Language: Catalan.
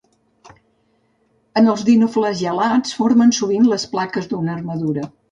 En els dinoflagel·lats formen sovint les plaques d'una armadura.